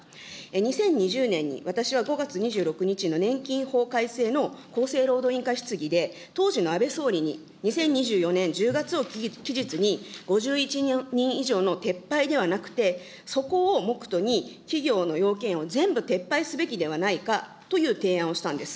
２０２０年に私は５月２６日の年金法改正の厚生労働委員会質疑で当時の安倍総理に、２０２４年１０月を期日に５１人以上の撤廃ではなくて、そこを目途に、企業の要件を全部撤廃すべきではないかという提案をしたんです。